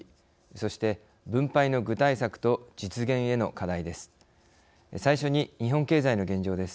そして分配の具体策と実現への課題です。